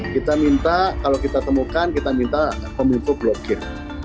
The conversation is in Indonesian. kita minta kalau kita temukan kita minta pemimpu blogir